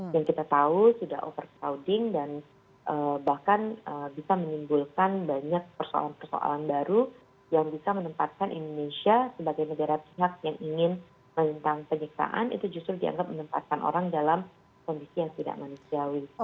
yang kita tahu sudah overcrowding dan bahkan bisa menimbulkan banyak persoalan persoalan baru yang bisa menempatkan indonesia sebagai negara pihak yang inginkan penyiksaan itu justru dianggap menempatkan orang dalam kondisi yang tidak manusiawi